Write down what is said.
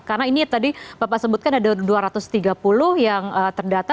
karena ini tadi bapak sebutkan ada dua ratus tiga puluh yang terdata